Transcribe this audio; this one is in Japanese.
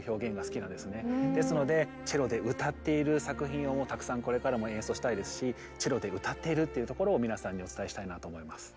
ですのでチェロで歌っている作品をたくさんこれからも演奏したいですしチェロで歌っているっていうところを皆さんにお伝えしたいなと思います。